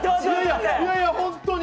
いやいや本当に！